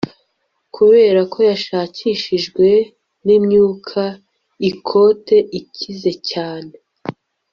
Kuberako yashakishijwe nimyuka ikote ikize cyane